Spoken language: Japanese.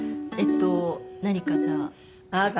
えっと何かじゃあ。